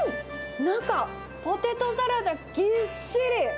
中、ポテトサラダぎっしり！